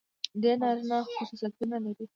ډېر نارينه خصوصيتونه لري.